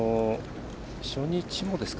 初日もですか。